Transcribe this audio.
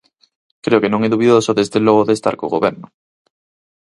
Creo que non é dubidoso desde logo de estar co goberno.